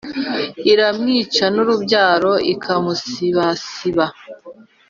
Iramwica n’urubyaro ikamusibasiba.